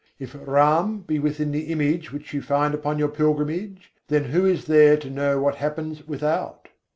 If Ram be within the image which you find upon your pilgrimage, then who is there to know what happens without?